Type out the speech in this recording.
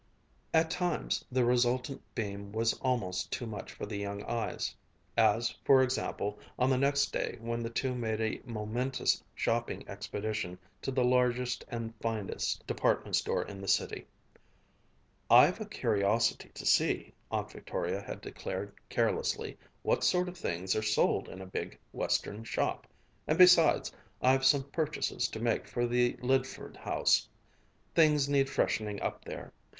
At times, the resultant beam was almost too much for the young eyes; as, for example, on the next day when the two made a momentous shopping expedition to the largest and finest department store in the city. "I've a curiosity to see," Aunt Victoria had declared carelessly, "what sort of things are sold in a big Western shop, and besides I've some purchases to make for the Lydford house. Things needs freshening up there.